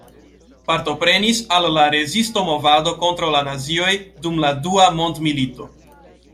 Partoprenis al la Rezisto-movado kontraŭ la nazioj dum la Dua mondmilito.